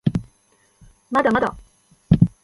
まだまだ